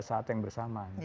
saat yang bersama